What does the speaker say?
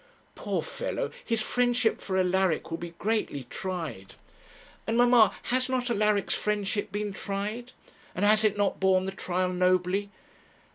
'Poor fellow! his friendship for Alaric will be greatly tried.' 'And, mamma, has not Alaric's friendship been tried? and has it not borne the trial nobly?